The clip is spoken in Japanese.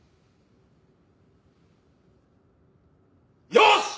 よし！